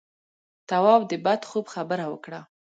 تواب د بد خوب خبره وکړه.